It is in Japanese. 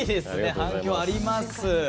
反響あります。